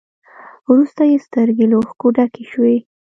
وروسته يې سترګې له اوښکو ډکې شوې.